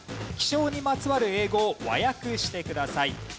気象にまつわる英語を和訳してください。